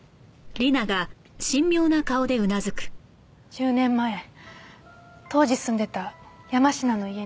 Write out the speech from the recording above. １０年前当時住んでいた山科の家に。